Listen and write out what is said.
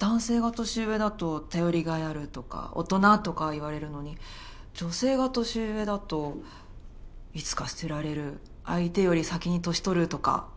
男性が年上だと頼りがいあるとか大人とか言われるのに女性が年上だといつか捨てられる相手より先に年取るとか。